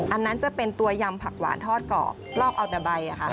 อันนั้นจะเป็นตัวยำผักหวานทอดกรอบลอกเอาแต่ใบ